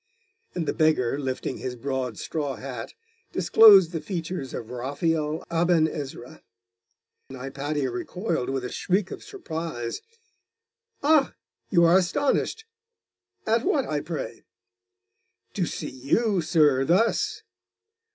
And the beggar, lifting his broad straw hat, disclosed the features of Raphael Aben Ezra. Hypatia recoiled with a shriek of surprise. 'Ah! you are astonished. At what, I pray?' 'To see you, sir, thus!